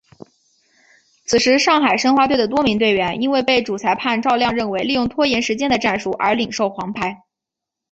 此时上海申花队的多名队员因为被主裁判赵亮认为利用拖延时间的战术而领受黄牌。